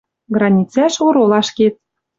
Границӓш оролаш кет.